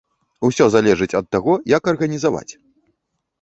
Усё залежыць ад таго як арганізаваць.